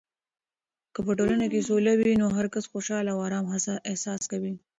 که په ټولنه کې سوله وي، نو هرکس خوشحال او ارام احساس کوي.